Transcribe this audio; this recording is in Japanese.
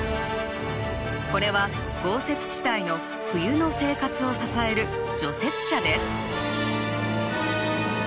これは豪雪地帯の冬の生活を支える除雪車です。